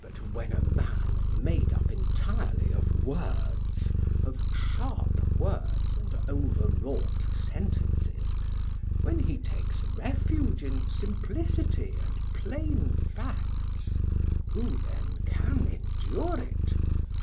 But when a man made up entirely of words, of sharp words and overwrought sentences, when he takes refuge in simplicity and plain facts, who then can endure it?